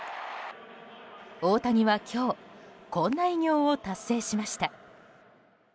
大谷は今日こんな偉業を達成しました。